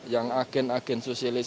yang agen agen sosialisasi